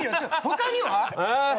他には？